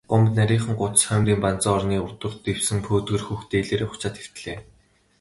Гомбо нарийхан гудас хоймрын банзан орны урдуур дэвсэн пөөдгөр хөх дээлээрээ хучаад хэвтлээ.